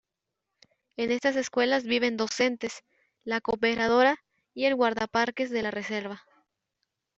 En estas escuelas viven docentes, la cooperadora, y el guardaparques de la reserva.